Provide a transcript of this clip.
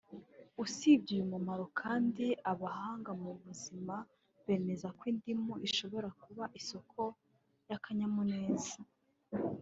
usibye uyu mumaro kandi abahanga mu by’ubuzima bemeza ko indimu ishobora kuba isoko y’akanyamuneza